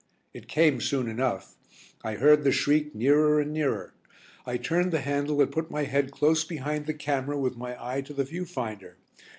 It came soon enough, I heard the shriek nearer and nearer. I turned the handle and put my head close behind the camera with my eye to the view finder.